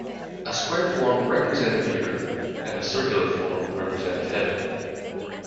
A square form represented the earth and a circular form represented heaven.